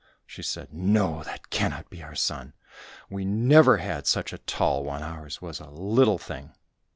She said, "No that cannot be our son, we never had such a tall one, ours was a little thing."